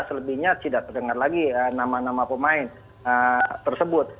selebihnya tidak terdengar lagi nama nama pemain tersebut